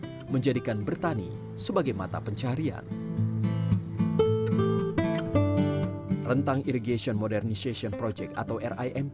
memerhatikan kwestori sejarah digital